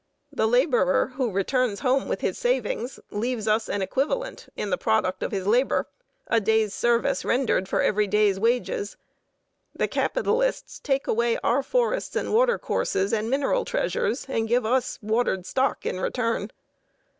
The laborer who returns home with his savings leaves us an equivalent in the products of labor; a day's service rendered for every day's wages. The capitalists take away our forests and water courses and mineral treasures and give us watered stock in return.